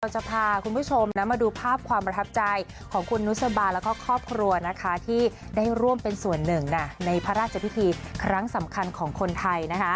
จะพาคุณผู้ชมมาดูภาพความประทับใจของคุณนุสบาแล้วก็ครอบครัวนะคะที่ได้ร่วมเป็นส่วนหนึ่งในพระราชพิธีครั้งสำคัญของคนไทย